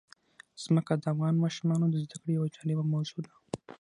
ځمکه د افغان ماشومانو د زده کړې یوه جالبه موضوع ده.